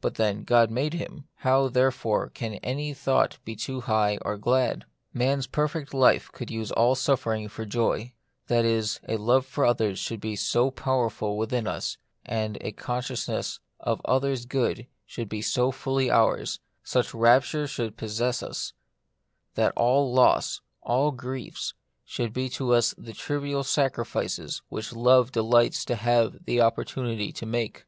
But then God made him ; how, therefore, can any thought be too high or glad ? Man's perfect life could use all suffering for joy ; that is, a love for others should be so powerful within The Mystery of Pain, 55 us, and a consciousness of other's good should be so fully ours, such rapture should possess us, that all loss, all griefs, should be to us the trivial sacrifices which love delights to have the opportunity to make.